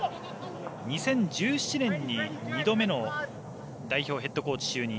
２０１７年に二度目の代表ヘッドコーチ就任。